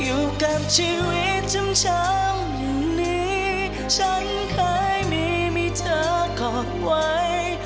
อยู่กับชีวิตช้ำอย่างนี้ฉันเคยมีมีเธอขอไว้